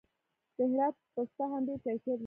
د هرات پسته هم ډیر کیفیت لري.